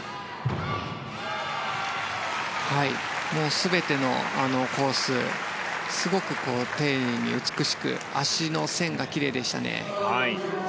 全てのコース、すごく丁寧に美しく脚の線がきれいでしたね。